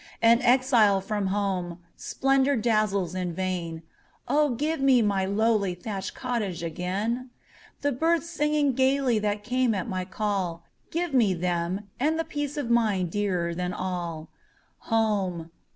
An exile from home, splendor dazzles in vain:O, give me my lowly thatched cottage again! The birds singing gayly that came at my call;—Give me them,—and the peace of mind dearer than all! Home!